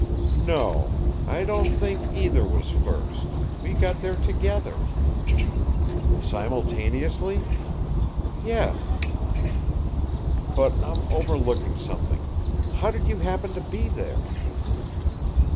"No. I don't think either was first. We got there together." "Simultaneously?" "Yes." "But I'm overlooking something. How did you happen to be there?"